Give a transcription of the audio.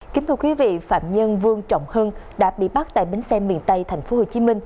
kính thưa quý vị phạm nhân vương trọng hưng đã bị bắt tại bến xe miền tây tp hcm